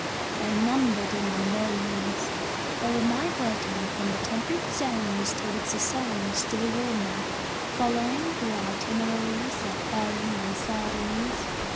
They numbered in the millions. They were migrating from the temperate zones toward zones still warmer, following the itineraries of herring and sardines.